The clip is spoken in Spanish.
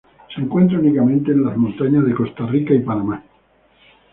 Se encuentra únicamente en las montañas de Costa Rica y Panamá.